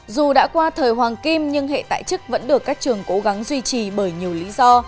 dù đã qua thời hoàng kim nhưng hệ tại chức vẫn được các trường cố gắng duy trì bởi nhiều lý do